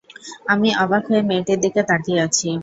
আমি অবাক হয়ে মেয়েটির দিকে তাকিয়ে আছি।